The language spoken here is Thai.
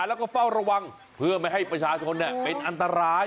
แล้วก็เฝ้าระวังเพื่อไม่ให้ประชาชนเป็นอันตราย